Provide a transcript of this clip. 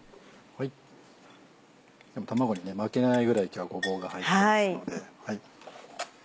卵に負けないぐらい今日はごぼうが入ってますので。